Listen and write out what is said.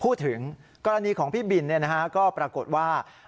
พูดถึงกรณีของพี่บินก็ปรากฏว่า